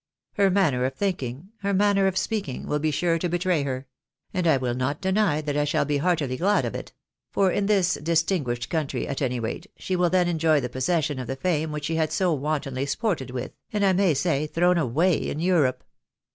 Her manner of thinking, her manner of speak ing, will be sure to betray her — and I will not deny that I shall be heartily glad of it ; for in this distinguished country, at any rate, she will then enjoy the possession of the fame which she had so wantonly sported with, and I may say, thrown away in Europe.